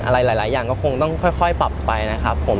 อะไรหลายอย่างก็คงต้องค่อยปรับไปนะครับผม